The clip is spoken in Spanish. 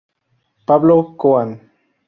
Pablo Kohan.